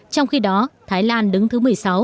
trong khi đó thái lan đứng thứ một mươi sáu